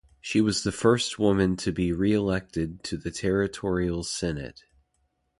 She was the first woman to be reelected to the Territorial Senate.